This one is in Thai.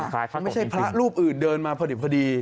ไม่ใช่พระรูปอื่นเดินมาพอดี